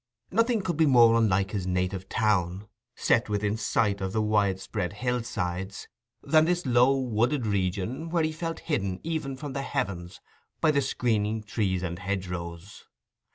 Nothing could be more unlike his native town, set within sight of the widespread hillsides, than this low, wooded region, where he felt hidden even from the heavens by the screening trees and hedgerows.